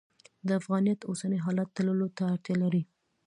د افغانیت اوسني حالت تللو ته اړتیا لري.